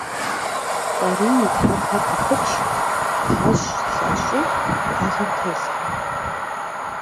ФӀарий и тхьэмпэр къыпыч, тхьэщӀ, лъэщӀи уӀэгъэм телъхьэ.